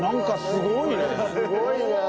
すごいな。